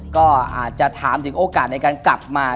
ก็อาจจะถามถึงโอกาสในการกลับมา